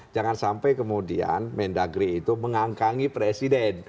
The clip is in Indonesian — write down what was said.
jangan sampai kemudian mendagri itu mengangkangi presiden